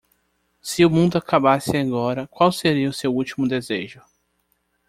se o mundo acaba-se agora qual seria o seu ultimo desejo